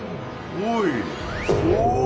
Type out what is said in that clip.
おい！